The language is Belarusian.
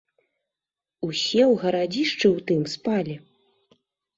Усе ў гарадзішчы ў тым спалі.